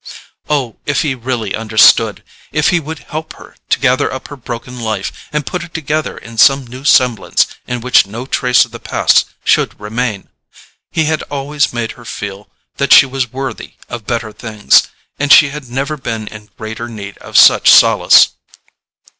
Oh, if he really understood—if he would help her to gather up her broken life, and put it together in some new semblance in which no trace of the past should remain! He had always made her feel that she was worthy of better things, and she had never been in greater need of such solace.